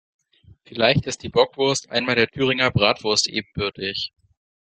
Vielleicht ist die Bockwurst einmal der Thüringer Bratwurst ebenbürtig.